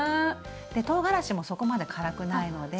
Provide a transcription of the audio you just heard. でとうがらしもそこまで辛くないので。